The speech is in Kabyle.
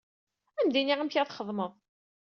Ad am-d-iniɣ amek ad t-txedmeḍ.